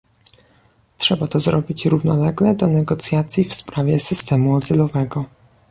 Trzeba to zrobić równolegle do negocjacji w sprawie system azylowego